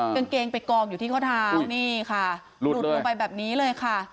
กางเกงไปกองอยู่ที่ข้อเท้านี่ค่ะหลุดลงไปแบบนี้เลยค่ะ